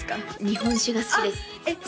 日本酒が好きですあっ